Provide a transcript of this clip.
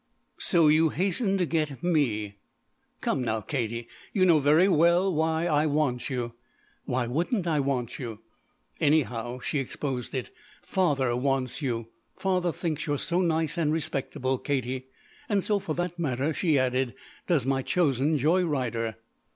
"So you hastened to get me!" "Come now, Katie, you know very well why I want you. Why wouldn't I want you? Anyhow," she exposed it, "father wants you. Father thinks you're so nice and respectable, Katie." "And so, for that matter," she added, "does my chosen joy rider."